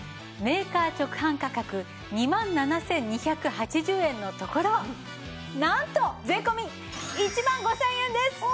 メーカー直販価格２万７２８０円のところなんと税込１万５０００円です！